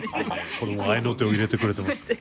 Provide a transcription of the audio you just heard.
子供が合いの手を入れてくれてます。